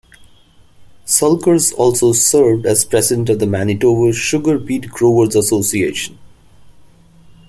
Sulkers also served as president of the Manitoba Sugar Beet Growers' Association.